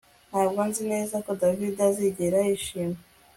Ntabwo nzi neza ko David azigera yishima